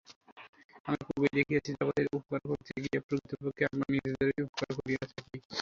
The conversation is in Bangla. আমরা পূর্বেই দেখিয়াছি, জগতের উপকার করিতে গিয়া প্রকৃতপক্ষে আমরা নিজেদেরই উপকার করিয়া থাকি।